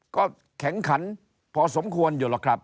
ก็แข็งขันพอสมควรอยู่หรอกครับ